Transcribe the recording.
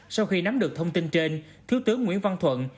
sau khi nắm được thông tin trên thứ tướng nguyễn văn thuận